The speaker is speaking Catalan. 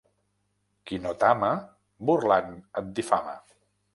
Qui no t'ama, burlant et difama.